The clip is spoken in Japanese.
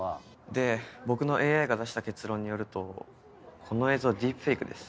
で僕のＡＩが出した結論によるとこの映像はディープフェイクです。